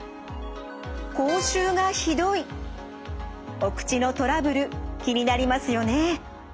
お口のトラブル気になりますよね。